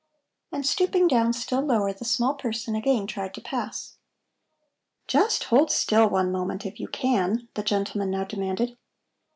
And stooping down still lower, the small person again tried to pass. "Just hold still one moment, if you can," the gentleman now demanded.